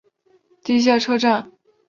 地下车站。